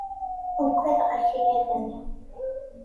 Uggadeɣ akayad-nni.